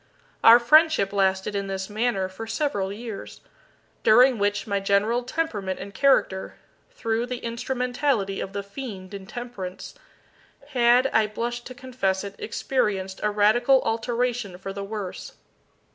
Our friendship lasted in this manner for several years, during which my general temperament and character through the instrumentality of the Fiend Intemperance had (I blush to confess it) experienced a radical alteration for the worse.